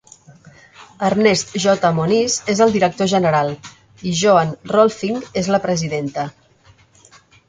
Ernest J. Moniz és el director general, i Joan Rohlfing és la presidenta.